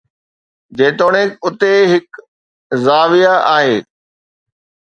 جيتوڻيڪ اتي هڪ زاويه آهي.